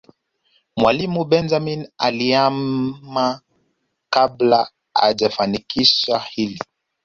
mwalimu benjamini alihama kabla hajalifanikisha hili